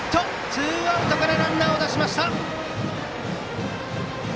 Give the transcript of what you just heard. ツーアウトからランナーを出しました。